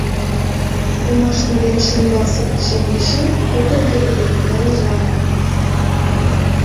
Омаш леведыш ӱмбалсе пушеҥге шӱм куптыргыл пытен да рожлан.